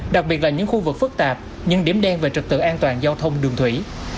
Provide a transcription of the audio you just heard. đặc biệt là những khu vực phức tạp những điểm đen về trực tự an toàn giao thông đường thủy